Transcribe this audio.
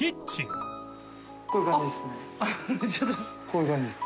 こういう感じです。